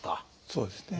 そうですね。